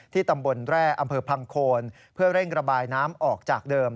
ตำบลแร่อำเภอพังโคนเพื่อเร่งระบายน้ำออกจากเดิม